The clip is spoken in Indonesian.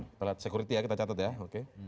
tidak lihat sekuriti ya kita catat ya oke